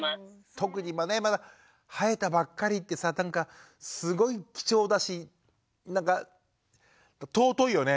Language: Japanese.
特に今ねまだ生えたばっかりってさなんかすごい貴重だしなんか尊いよね